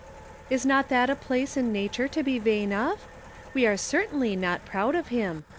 "Is not that a place in nature to be vain of? We are certainly not proud of him.